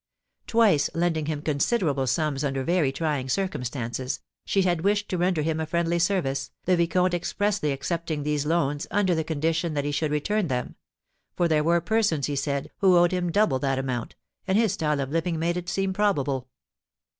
Twice lending him considerable sums under very trying circumstances, she had wished to render him a friendly service, the vicomte expressly accepting these loans under the condition that he should return them; for there were persons, he said, who owed him double that amount; and his style of living made it seem probable.